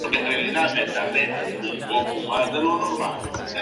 Ana y Ruy están enterrados juntos en la Colegiata de Pastrana.